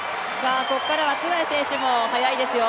ここからはツェガイ選手も速いですよ。